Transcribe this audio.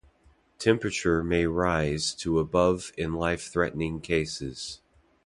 Temperature may rise to above in life-threatening cases.